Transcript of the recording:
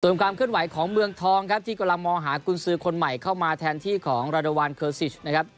ส่วนความเคลื่อนไหวของเมืองทองครับที่กำลังมองหากุญสือคนใหม่เข้ามาแทนที่ของราดาวานเคอร์ซิชนะครับ